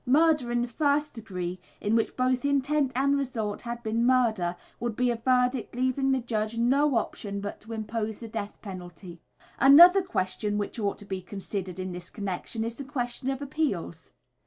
"Murder in the first degree," in which both intent and result had been murder, would be a verdict leaving the judge no option but to impose the death penalty. Another question which ought to be considered in this connection is the question of appeals.